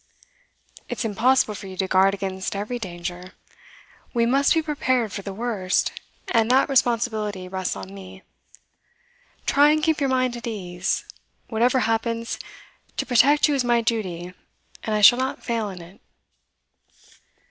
'It's impossible for you to guard against every danger. We must be prepared for the worst, and that responsibility rests on me. Try and keep your mind at ease; whatever happens, to protect you is my duty, and I shall not fail in it.